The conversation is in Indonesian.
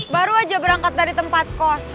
baru aja berangkat dari tempat kos